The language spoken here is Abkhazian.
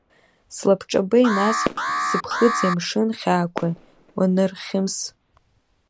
Сылабҿабеи, нас сыԥхыӡи, амшын хьаақәеи уанырхьымс.